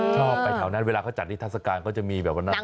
ชอบไปแถวนั้นเวลาเขาจัดนิทัศกาลก็จะมีแบบวันนั้น